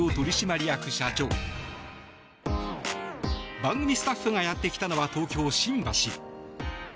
番組スタッフがやってきたのは東京・新橋。